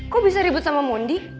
kok bisa ribet sama mondi